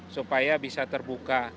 supaya bisa terbuka